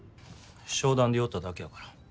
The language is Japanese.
商談で寄っただけやから。